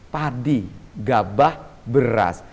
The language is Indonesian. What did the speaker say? padi gabah beras